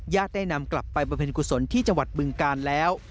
ได้นำกลับไปบำเพ็ญกุศลที่จังหวัดบึงกาลแล้ว